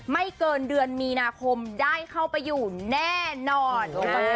ไม่เกินเดือนมีนาคมได้เข้าไปอยู่แน่นอน